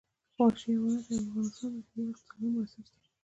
وحشي حیوانات د افغانستان د ځایي اقتصادونو بنسټ دی.